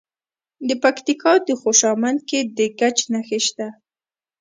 د پکتیکا په خوشامند کې د ګچ نښې شته.